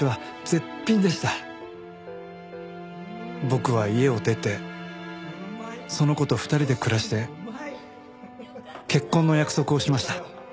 僕は家を出てその子と２人で暮らして結婚の約束をしました。